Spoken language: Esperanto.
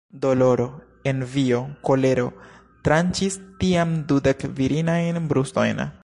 Doloro, envio, kolero, tranĉis tiam dudek virinajn brustojn.